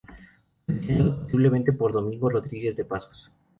Fue diseñado posiblemente por Domingo Rodríguez de Pazos.